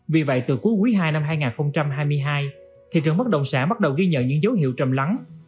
vì vậy từ cuối quý ii năm hai nghìn hai mươi hai thị trường bất động sản bắt đầu ghi nhận những dấu hiệu trầm lắng